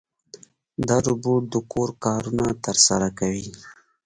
دا روبوټ د کور کارونه ترسره کوي.